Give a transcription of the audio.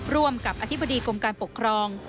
ร่วมกับอธิบดีกรมการปกครอง